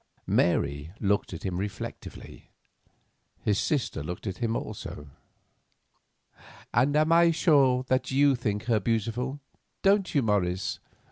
Mary looked at him reflectively. His sister looked at him also. "And I am sure that you think her beautiful, don't you, Morris?"